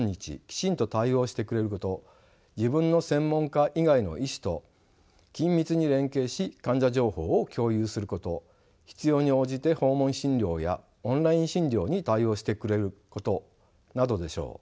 自分の専門科以外の医師と緊密に連携し患者情報を共有すること必要に応じて訪問診療やオンライン診療に対応してくれることなどでしょう。